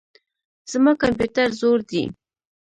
زما کمپيوټر زوړ دئ.